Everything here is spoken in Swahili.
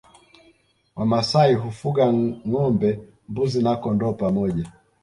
Wamasai hufuga ngombe mbuzi na kondoo pamoja